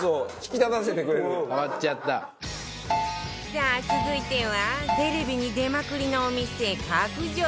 さあ続いてはテレビに出まくりのお店角上